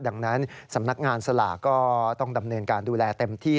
ดังนั้นสำนักงานสลากก็ต้องดำเนินการดูแลเต็มที่